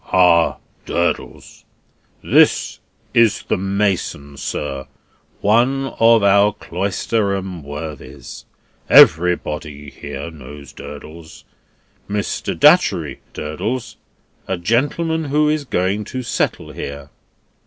"Ah, Durdles! This is the mason, sir; one of our Cloisterham worthies; everybody here knows Durdles. Mr. Datchery, Durdles a gentleman who is going to settle here."